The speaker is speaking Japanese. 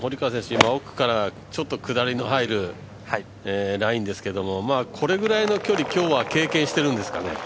今、奥からちょっと下りの入るラインですけれども、これぐらいの距離、今日は経験しているんですかね？